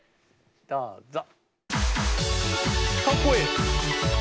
どうぞ！